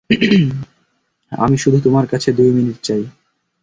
আমি শুধু তোমার কাছে দুই মিনিট চাই।